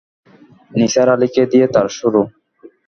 নিসার আলিকে দিয়ে তার শুরু।